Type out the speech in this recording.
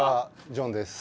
ジョンです。